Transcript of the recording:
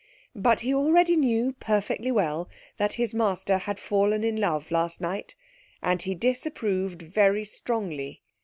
But he already knew perfectly well that his master had fallen in love last night, and he disapproved very strongly.